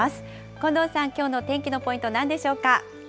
近藤さん、きょうの天気のポイント、なんでしょうか。